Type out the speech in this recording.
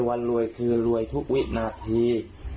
ดับตรงนี้